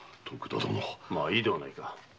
いいではないか。